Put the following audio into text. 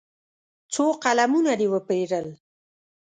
څو قلمونه دې وپېرل.